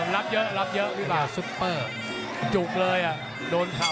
รับเยอะรับเยอะ